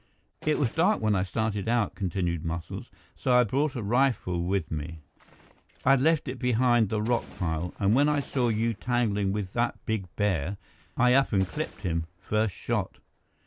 "It was dark when I started out," continued Muscles, "so I brought a rifle with me. I'd left it up behind the rock pile, and when I saw you tangling with that big bear, I up and clipped him, first shot.